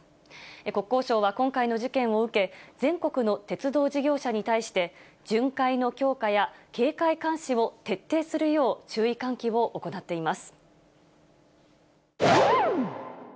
国交省は今回の事件を受け、全国の鉄道事業者に対して、巡回の強化や警戒・監視を徹底するよう注意喚起を行っています。